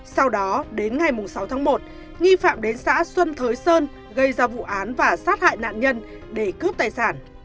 sau đó đến ngày sáu tháng một nghi phạm đến xã xuân thới sơn gây ra vụ án và sát hại nạn nhân để cướp tài sản